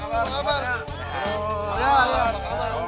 apa kabar om duk